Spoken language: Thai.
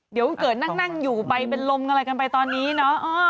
เดี๋ยวเกิดนั่งอยู่ไปเป็นลมอะไรกันไปตอนนี้เนาะ